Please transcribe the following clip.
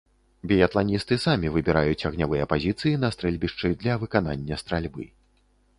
Біятланісты самі выбіраюць агнявыя пазіцыі на стрэльбішчы для выканання стральбы.